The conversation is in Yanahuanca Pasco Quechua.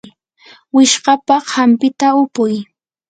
wishqapa hampita upuy.